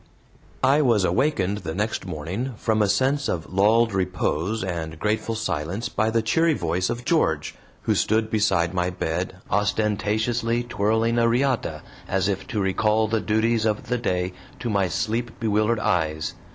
I was awakened the next morning from a sense of lulled repose and grateful silence by the cheery voice of George, who stood beside my bed, ostentatiously twirling a riata, as if to recall the duties of the day to my sleep bewildered eyes.